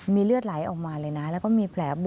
มีเลือดไหลออกมาเลยนะและมีแผลบวมด้วยค่ะ